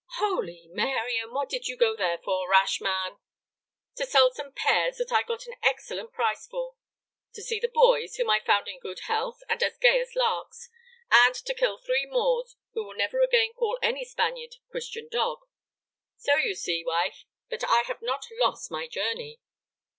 "Holy Mary! And what did you go there for, rash man?" "To sell some pears that I got an excellent price for; to see the boys, whom I found in good health and as gay as larks; and to kill three Moors who will never again call any Spaniard 'Christian dog.' So you see, wife, that I have not lost my journey."